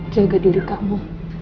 jaga diri kamu